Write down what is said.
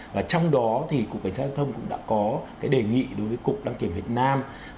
và trong đó thì cục cảnh sát giao thông cũng đã có cái đề nghị đối với cục đăng kiểm việt nam